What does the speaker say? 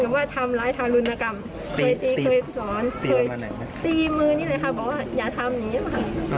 ก็ว่าทำร้ายธารุณกรรมตีมื้อนี่เลยค่ะบอกว่าอย่าทำนี้ค่ะ